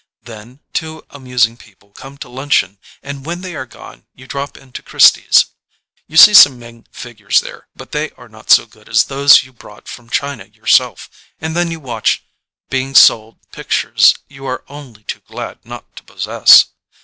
Then two amusing people come to luncheon and when they are gone you drop into Christie's. You see some Ming figures there, but they are not so good as those you brought from China your self, and then you watch being sold pictures you are only too glad not to possess.